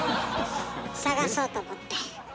探そうと思って。